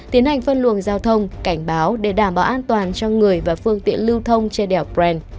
tiến hành phân luồng giao thông cảnh báo để đảm bảo an toàn cho người và phương tiện lưu thông trên đèo bren